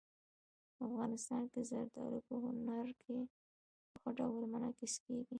افغانستان کې زردالو په هنر کې په ښه ډول منعکس کېږي.